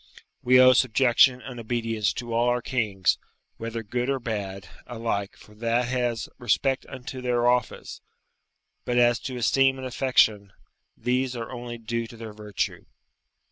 We owe subjection and obedience to all our kings, whether good or bad, alike, for that has respect unto their office; but as to esteem and affection, these are only due to their virtue.